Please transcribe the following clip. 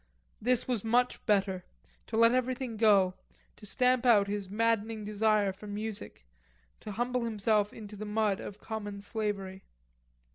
This was much better, to let everything go, to stamp out his maddening desire for music, to humble himself into the mud of common slavery.